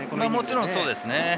もちろん、そうですね。